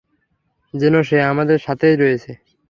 যেন সে আমাদের সাথেই রয়েছে।